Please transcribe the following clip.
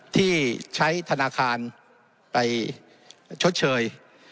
ที่ใช้ธนาคารไปชดเชย